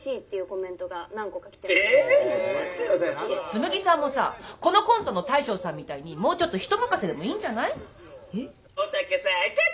紬さんもさこのコントの大将さんみたいにもうちょっと人任せでもいいんじゃない？え？